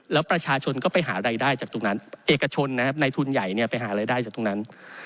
แล้วประชาชนก็ไปหารายได้จากตรงนั้นเอกชนนะครับในทุนใหญ่ไปหารายได้จากตรงนั้น